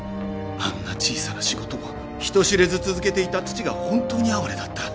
あんな小さな仕事を人知れず続けていた父が本当に哀れだった。